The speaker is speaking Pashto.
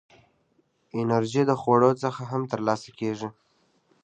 انرژي د خوړو څخه هم ترلاسه کېږي.